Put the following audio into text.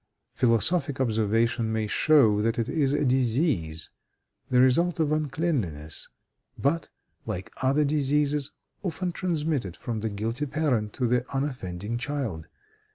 Philosophic observation may show that it is a disease, the result of uncleanliness, but, like other diseases, often transmitted from the guilty parent to the unoffending child.